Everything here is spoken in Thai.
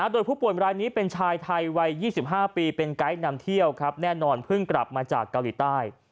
โดยผู้ป่วยรายนี้เป็นชายไทยวัย๒๕ปีเป็นไกด์นำเที่ยวครับแน่นอนเพิ่งกลับมาจากเกาหลีใต้